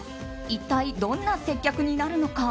一体どんな接客になるのか。